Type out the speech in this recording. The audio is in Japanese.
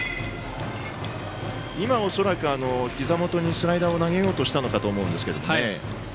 今、恐らく、ひざ元にスライダーを投げようとしたのかと思いますが。